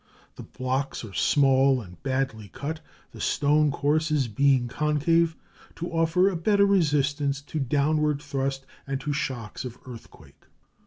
The blocks are small and badly cut, the stone courses being concave, to offer a better resistance to downward thrust and to shocks of earthquake.